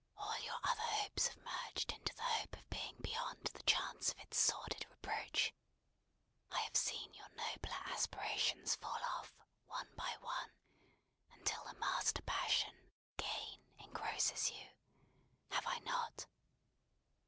"All your other hopes have merged into the hope of being beyond the chance of its sordid reproach. I have seen your nobler aspirations fall off one by one, until the master passion, Gain, engrosses you. Have I not?"